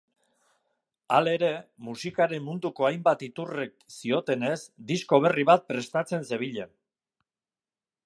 Halere, musikaren munduko hainbat iturrik ziotenez, disko berri bat prestatzen zebilen.